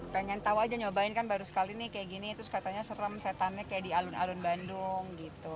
pengen tahu aja nyobain kan baru sekali nih kayak gini terus katanya serem setannya kayak di alun alun bandung gitu